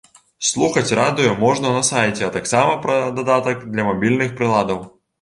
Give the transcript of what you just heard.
Слухаць радыё можна на сайце, а таксама пра дадатак для мабільных прыладаў.